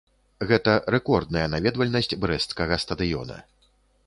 Гэта рэкордная наведвальнасць брэсцкага стадыёна.